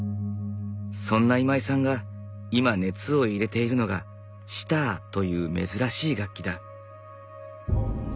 そんな今井さんが今熱を入れているのがシターという珍しい楽器だ。